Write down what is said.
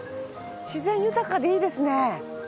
自然豊かでいいですね。